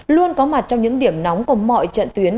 luôn có mặt trong những điểm nóng của mọi trận tuyến